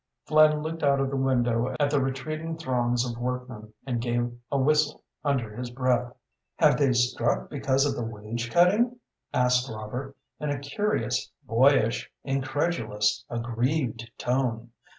Flynn looked out of the window at the retreating throngs of workmen, and gave a whistle under his breath. "Have they struck because of the wage cutting?" asked Robert, in a curious, boyish, incredulous, aggrieved tone.